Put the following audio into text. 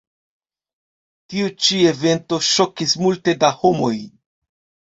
Tiu ĉi evento ŝokis multe da homoj.